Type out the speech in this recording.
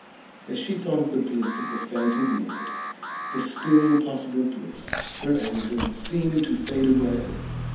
As she thought of the bliss of the fancied moment, the still possible bliss, her anger seemed to fade away.